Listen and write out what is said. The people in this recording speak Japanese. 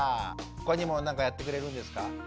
他にも何かやってくれるんですか？